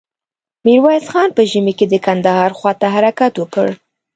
ميرويس خان په ژمې کې د کندهار خواته حرکت وکړ.